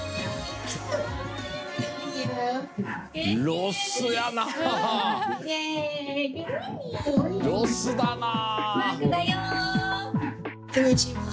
ロスだな！